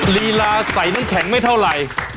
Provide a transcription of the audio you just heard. ลีลาใส่น้ำแข็งไม่เท่าไหร่